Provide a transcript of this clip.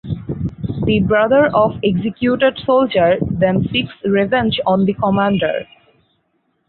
The brother of executed soldier then seeks revenge on the commander.